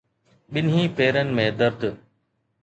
ٻنهي پيرن ۾ درد